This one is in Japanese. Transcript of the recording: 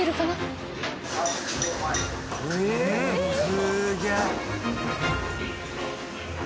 すげえ。